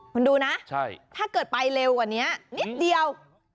คุณดูนะถ้าเกิดไปเร็วกว่านี้นิดเดียว